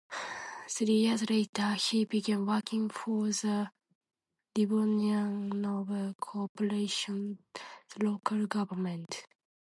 Three years later he began working for the Livonian Noble Corporation, the local government.